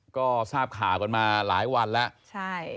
ก็ทราบขากลัวมาหลายวันแล้ว